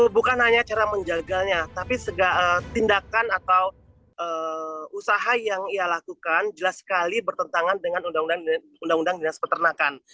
bukan hanya cara menjaganya tapi segala tindakan atau usaha yang ia lakukan jelas sekali bertentangan dengan undang undang dinas peternakan